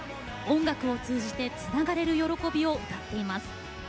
音楽を通じてつながれる喜びを歌っています。